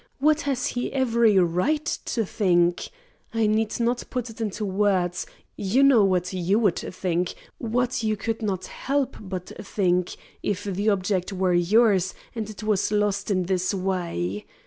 What has he every right to think? I need not put it into words; you know what you would think, what you could not help but think, if the object were yours and it was lost in this way.